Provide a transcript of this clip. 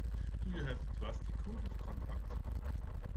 Do you have a trustee code of conduct?